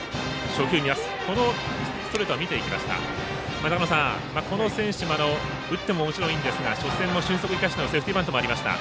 長野さん、この選手も打ってももちろんいいんですが初戦も俊足を生かしてのセーフティーバントもありました。